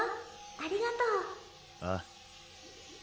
ありがとう。ああ。